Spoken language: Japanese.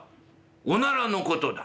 おならのことだ」。